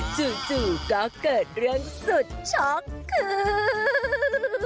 จู่ก็เกิดเรื่องสุดช็อกขึ้น